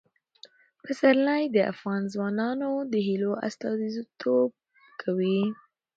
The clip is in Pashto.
پسرلی د افغان ځوانانو د هیلو استازیتوب کوي.